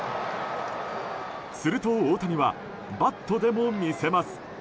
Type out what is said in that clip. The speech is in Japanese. すると大谷はバットでも魅せます。